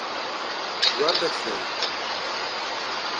Guardaci dentro.